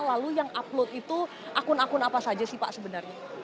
lalu yang upload itu akun akun apa saja sih pak sebenarnya